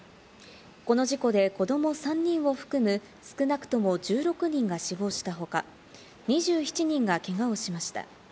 この事故で子ども３人を含む、少なくとも１６人が死亡した他、２７人がけがをしました。